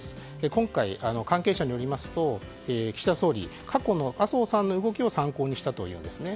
今回、関係者によりますと岸田総理過去の麻生さんの動きを参考にしたというんですね。